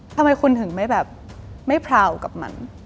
ทำไมคุณถึงไม่แบบไม่พราวกับมัน